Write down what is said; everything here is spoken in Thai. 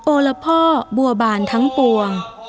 โอละพ่อบัวบานทั้งปวง